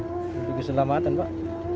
untuk keselamatan pak